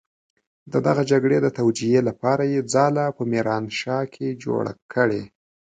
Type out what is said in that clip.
د دغې جګړې د توجيې لپاره يې ځاله په ميرانشاه کې جوړه کړې.